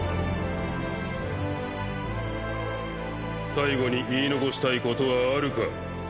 最期に言い残したいことはあるか？